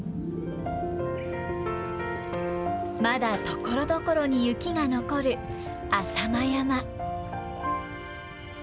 まだところどころに雪が残る浅間山。